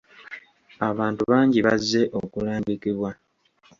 Abantu bangi bazze okulambikibwa.